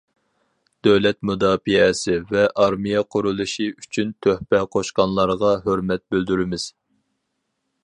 دۆلەت مۇداپىئەسى ۋە ئارمىيە قۇرۇلۇشى ئۈچۈن تۆھپە قوشقانلارغا ھۆرمەت بىلدۈرىمىز!